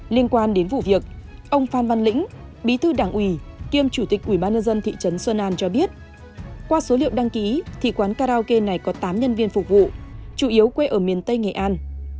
liên quan đến vụ việc ông phan văn lĩnh bí thư đảng ủy kiêm chủ tịch ủy ban nhân dân thị trấn xuân an cho biết qua số liệu đăng ký thì quán karaoke này có tám nhân viên phục vụ chủ yếu quê ở miền tây nghệ an